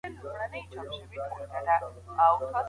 که موږ یو ځای سو نو بریالي کيږو.